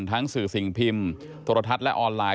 หนังสือสิ่งพิมพ์โทรทัศน์และออนไลน